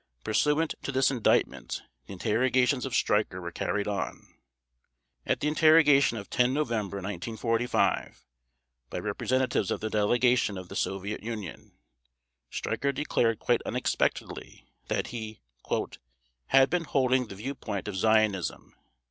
Pursuant to this Indictment the interrogations of Streicher were carried on. At the interrogation of 10 November 1945 by representatives of the Delegation of the Soviet Union, Streicher declared quite unexpectedly that he "had been holding the viewpoint of Zionism."